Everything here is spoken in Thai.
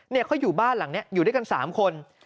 เนี่ยเขาอยู่บ้านหลังเนี่ยอยู่ด้วยกันสามคน